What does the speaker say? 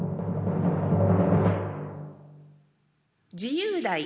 自由題